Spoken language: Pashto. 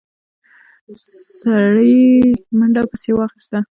سړي منډه پسې واخيسته.